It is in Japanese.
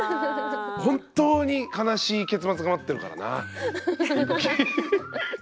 本当に悲しい結末が待ってるからな。